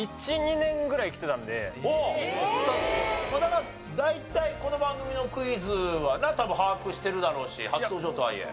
なら大体この番組のクイズはな多分把握してるだろうし初登場とはいえ。